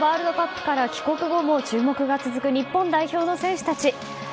ワールドカップから帰国後も注目が続く日本代表の選手たち。